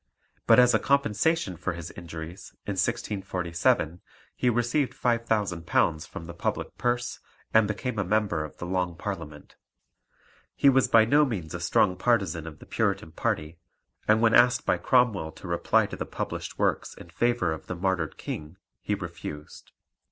But as a compensation for his injuries in 1647 he received £5,000 from the public purse and became a member of the Long Parliament. He was by no means a strong partisan of the Puritan party, and when asked by Cromwell to reply to the published works in favour of the martyred King he refused.